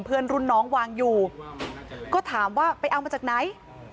เพื่อนรุ่นน้องวางอยู่ก็ถามว่าไปเอามาจากไหน